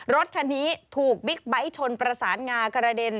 รถคันนี้ถูกบิ๊กไบท์ชนประสานงากระเด็น